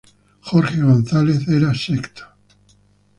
Jorge González era sexto.